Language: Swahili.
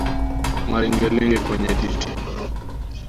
Malengelenge kwenye titi